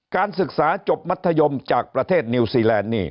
การศึกษาจบมัธยมจากประเทศนิวซีแลนด์นี่